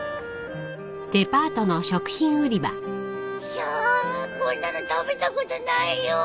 ひゃこんなの食べたことないよ。